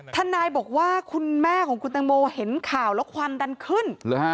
ทนายบอกว่าคุณแม่ของคุณตังโมเห็นข่าวแล้วควันดันขึ้น